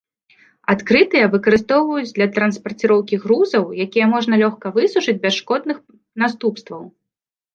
Адкрытыя выкарыстоўваюць для транспарціроўкі грузаў, якія можна лёгка высушыць без шкодных наступстваў.